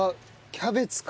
キャベツか！